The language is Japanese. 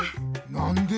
なんで？